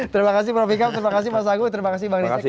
terima kasih prof ikam terima kasih mas agung terima kasih bang riset